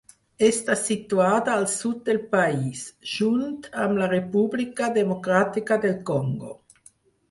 Està situada al sud del país, junt amb la República Democràtica del Congo.